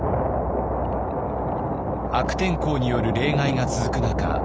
悪天候による冷害が続く中